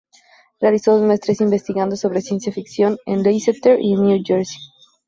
Realizó dos maestrías investigando sobre ciencia ficción, en Leicester y en Nueva Jersey.